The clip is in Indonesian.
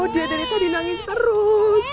dede tadi nangis terus